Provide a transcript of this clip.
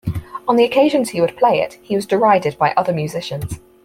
On the occasions he would play it, he was derided by other musicians.